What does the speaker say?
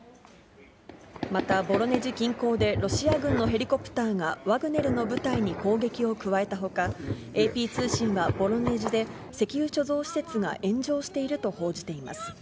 また、ボロネジ近郊で、ロシア軍のヘリコプターがワグネルの部隊に攻撃を加えたほか、ＡＰ通信はボロネジで、石油貯蔵施設が炎上していると報じています。